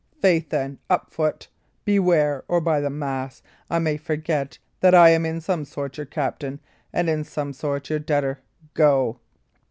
Faith, then, up foot! be yare, or, by the mass, I may forget that I am in some sort your captain and in some your debtor! Go!"